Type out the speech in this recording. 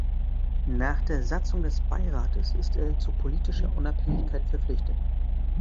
Nach der Satzung des Beirates ist er zu politischer Unabhängigkeit verpflichtet.